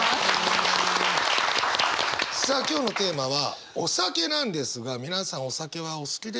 さあ今日のテーマは「お酒」なんですが皆さんお酒はお好きですか？